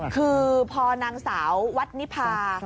คือพอนางสาววัดนิพา